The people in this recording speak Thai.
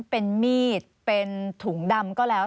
เป็นมีดเป็นถุงดำก็แล้ว